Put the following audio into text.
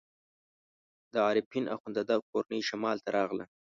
د عارفین اخندزاده کورنۍ شمال ته راغله.